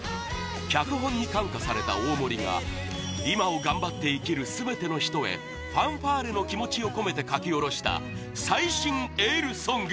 脚本に感化された大森が今を頑張って生きる全ての人へファンファーレの気持ちを込めて書き下ろした最新エールソング